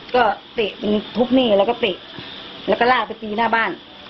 ก็เตะเป็นทุบหนี้แล้วก็เตะแล้วก็ลากไปตีหน้าบ้าน